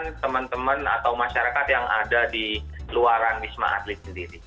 bagaimana keadaan teman teman atau masyarakat yang ada di luaran wisma adlib sendiri